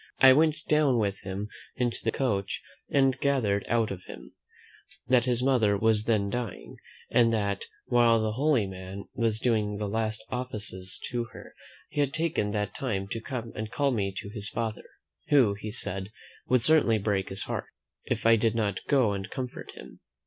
I went down with him into the coach, and gathered out of him, "That his mother was then dying; and that, while the holy man was doing the last offices to her, he had taken that time to come and call me to his father, who, he said, would certainly break his heart, if I did not go and comfort him."